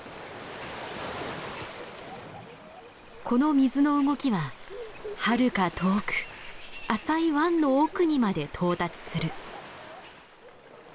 この水の動きははるか遠く浅い湾の奥にまで到達する。